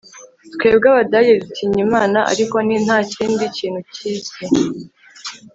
twebwe abadage dutinya imana, ariko ntakindi kintu cyisi